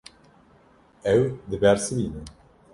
Ew dibersivîne.